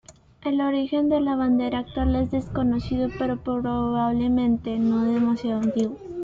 El origen de la bandera actual es desconocido, pero probablemente no demasiado antiguo.